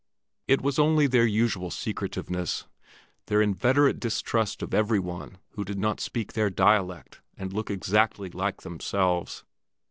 It was only their usual secretiveness, their inveterate distrust of every one who did not speak their dialect and look exactly like themselves.